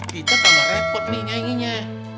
kita tambah repot nih nyanyinya